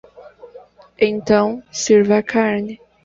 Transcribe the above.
Então sirva a carne.